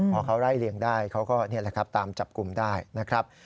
พอเขาไล่เลี่ยงได้เขาก็นี่แหละครับตามจับกลุ่มได้นะครับ